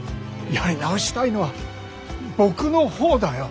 やり直したいのは僕の方だよ。